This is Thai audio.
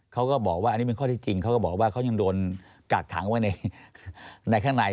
เขาก็บอกว่าอันนี้เป็นข้อที่จริงเขาก็บอกว่าเขายังโดนกักขังไว้ในข้างใน